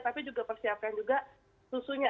tapi juga persiapkan juga susunya